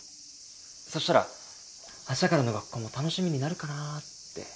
そしたら明日からの学校も楽しみになるかなって。